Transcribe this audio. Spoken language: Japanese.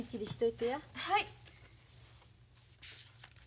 はい。